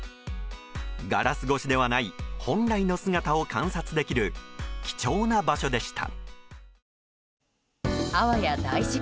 ガラス越しではない本来の姿を観察できる貴重な場所でした。